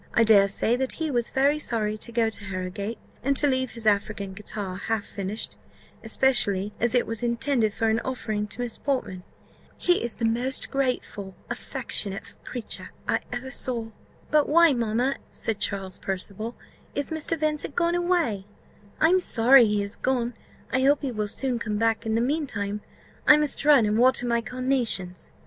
I dare say that he was very sorry to go to Harrowgate, and to leave his African guitar half finished; especially as it was intended for an offering to Miss Portman. He is the most grateful, affectionate creature I ever saw." "But why, mamma," said Charles Percival, "is Mr. Vincent gone away? I am sorry he is gone; I hope he will soon come back. In the mean time, I must run and water my carnations."